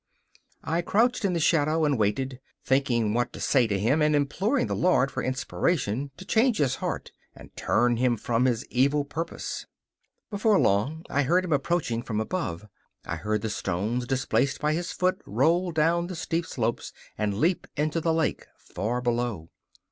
I crouched in the shadow and waited, thinking what to say to him and imploring the Lord for inspiration to change his heart and turn him from his evil purpose. Before long I heard him approaching from above. I heard the stones displaced by his foot roll down the steep slopes and leap into the lake far below.